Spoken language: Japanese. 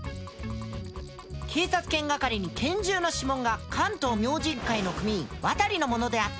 警察犬係に拳銃の指紋が関東明神会の組員渡のものであったと報告が。